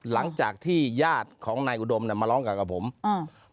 หลังจากที่ญาติของนายอุดมเนี้ยมาร้องกับกับผมอ่า